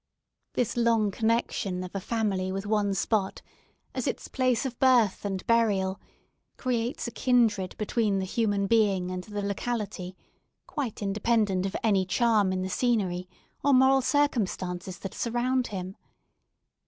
This long connexion of a family with one spot, as its place of birth and burial, creates a kindred between the human being and the locality, quite independent of any charm in the scenery or moral circumstances that surround him.